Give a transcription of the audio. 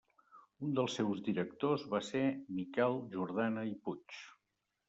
Un dels seus directors va ser Miquel Jordana i Puig.